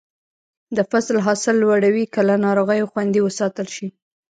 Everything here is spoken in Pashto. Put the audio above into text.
د فصل حاصل لوړوي که له ناروغیو خوندي وساتل شي.